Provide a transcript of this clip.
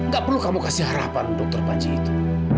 gak perlu kamu kasih harapan dokter panci itu